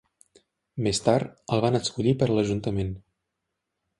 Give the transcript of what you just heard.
Més tard, el van escollir per a l'ajuntament.